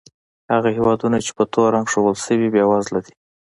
هغه هېوادونه چې په تور رنګ ښودل شوي، بېوزله دي.